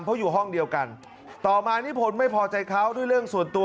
เพราะอยู่ห้องเดียวกันต่อมานิพนธ์ไม่พอใจเขาด้วยเรื่องส่วนตัว